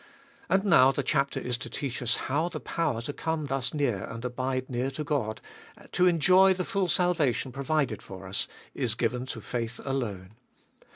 And now the chapter is to teach us how the power to come thus near and abide near to God, to enjoy the full salvation provided for us, is given to faith alone.